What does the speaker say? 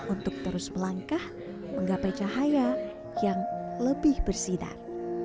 untuk terus melangkah menggapai cahaya yang lebih bersinar